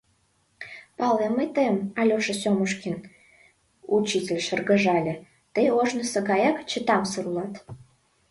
— Палем мый тыйым, Алеша Сёмушкин, — учитель шыргыжале: — тый ожнысо гаяк чытамсыр улат.